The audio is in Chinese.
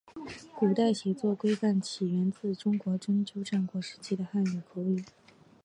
古代写作规范起源自中国春秋战国时期的汉语口语。